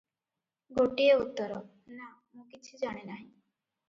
ଗୋଟିଏ ଉତ୍ତର, "ନା, ମୁଁ କିଛି ଜାଣେ ନାହିଁ ।"